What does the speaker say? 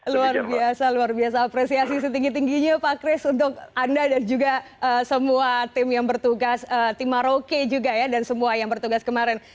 luar biasa luar biasa apresiasi setinggi tingginya pak kris untuk anda dan juga semua tim yang bertugas tim maroke juga ya dan semua yang bertugas kemarin